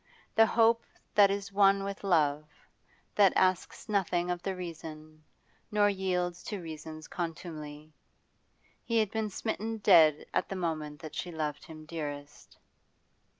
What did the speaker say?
the hope that is one with love, that asks nothing of the reason, nor yields to reason's contumely. He had been smitten dead at the moment that she loved him dearest.